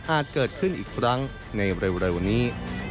เกิดขึ้นอีกครั้งในเร็วนี้